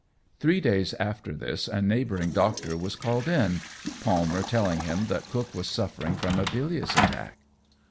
Three days after this a neighbouring doctor was called in, Palmer telling him that Cook was suffering from a bilious attack.